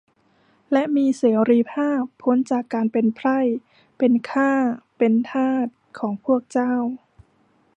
และมีเสรีภาพพ้นจากการเป็นไพร่ เป็นข้าเป็นทาสของพวกเจ้า